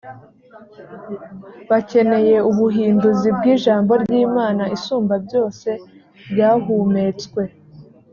bakeneye ubuhinduzi bw ijambo ry imana isumbabyose ryahumetswe